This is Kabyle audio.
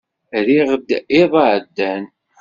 Rriɣ-d iḍ-a iɛeddan.